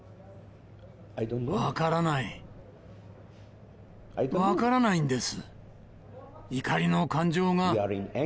分からない、分からないんです。